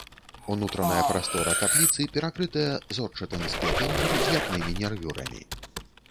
Унутраная прастора капліцы перакрытая зорчатым скляпеннем з ляпнымі нервюрамі.